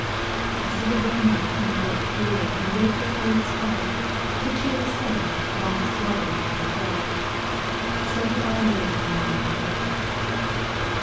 I see the rainbow come forth clear And wave her coloured scarf to cheer The sun long swallowed by a flood So do I live in lane and wood.